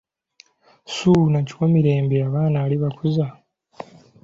Ssuuna Kiwamirembe Abaana alibakuza.